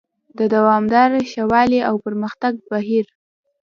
د دوامداره ښه والي او پرمختګ بهیر: